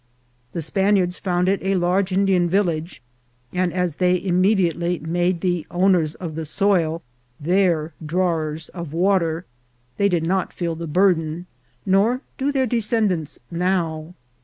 The Span iards found it a large Indian village, and as they immedi ately made the owners of the soil their drawers of water, they did not feel the burden ; nor do their descendants now.